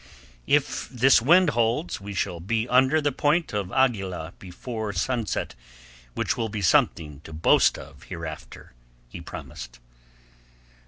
"If this wind holds we shall be under the Point of Aguila before sunset, which will be something to boast of hereafter," he promised.